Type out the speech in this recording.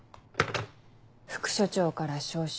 副署長から招集